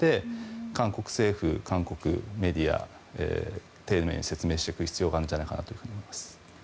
そういうところも含めて韓国政府、韓国メディア丁寧に説明していく必要があるんじゃないかと思います。